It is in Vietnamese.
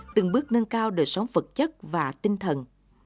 từng bước nâng cao đời sống vật chất và tinh thần